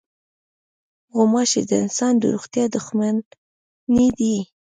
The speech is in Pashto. غوماشې د انسان د روغتیا دښمنې دي.